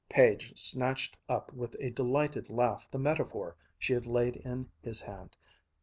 Page snatched up with a delighted laugh the metaphor she had laid in his hand.